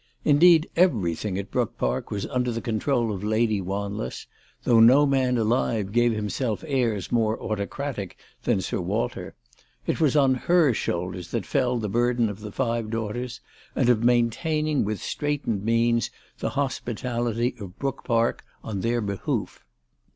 Indeed everything at Brook Park was under the control of Lady Wanless, though no man alive g&ve himself airs more autocratic than Sir Walter. It was on her shoulders that fell the burden of the five daughters, and of maintaining with straitened means the hospitality of Brook Park on. 344 ALICE DUGDALE. their behoof.